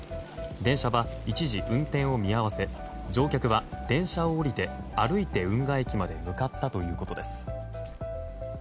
電車は一時運転を見合わせ乗客は電車を降りて歩いて運河駅まで向かったということです。